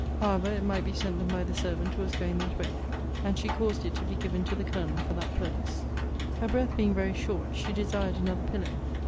However, it might be sent them by the servant who was going that way. And she caused it to be given to the Colonel for that purpose. Her breath being very short, she desired another pillow.